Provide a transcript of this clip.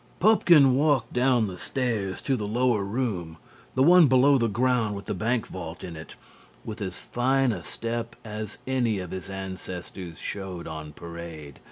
Pupkin walked down the stairs to the lower room, the one below the ground with the bank vault in it, with as fine a step as any of his ancestors showed on parade.